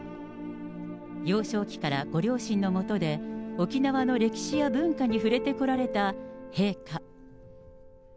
幼少期からご両親の下で、沖縄の歴史や文化に触れてこられた陛下。